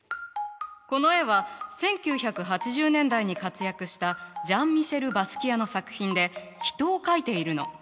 この絵は１９８０年代に活躍したジャン＝ミシェル・バスキアの作品で人を描いているの。